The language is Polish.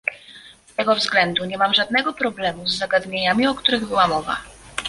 Z tego względu nie mam żadnego problemu z zagadnieniami, o których była mowa